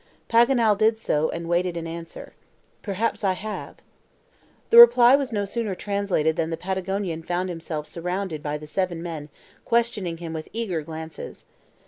Paganel did so, and waited an answer. "Perhaps I have." The reply was no sooner translated than the Patagonian found himself surrounded by the seven men questioning him with eager glances.